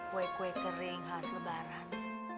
kue kue kering hari lebaran